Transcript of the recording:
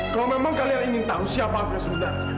kalau memang kalian ingin tahu siapa aku sebenarnya